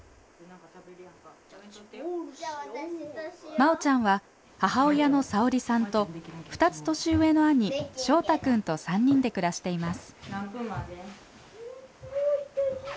まおちゃんは母親のさおりさんと２つ年上の兄しょうたくんと３人で暮らしています。